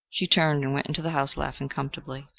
She turned and went into the house, laughing comfortably.